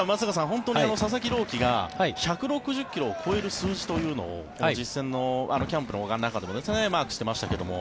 本当に佐々木朗希が１６０ｋｍを超える数字というのを実戦のキャンプの中でもマークしてましたけど